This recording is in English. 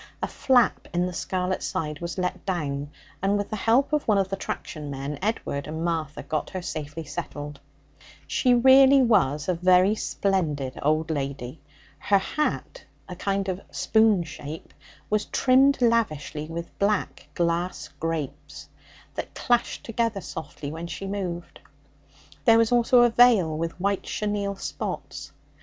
A flap in the scarlet side was let down, and with the help of one of the traction men Edward and Martha got her safely settled. She really was a very splendid old lady. Her hat, a kind of spoon shape, was trimmed lavishly with black glass grapes, that clashed together softly when she moved. There was also a veil with white chenille spots.